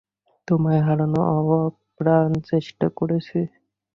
তোমায় হারানোর আপ্রাণ চেষ্টা করেছি।